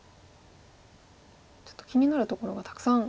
ちょっと気になるところがたくさん。